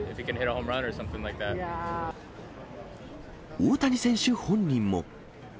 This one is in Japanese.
大谷選手本人も。